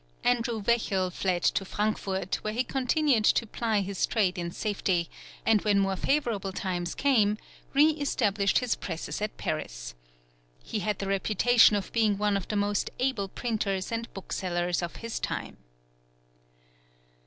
Andrew Wechel fled to Frankfort, where he continued to ply his trade in safety; and when more favourable times came re established his presses at Paris. He had the reputation of being one of the most able printers and booksellers of his time.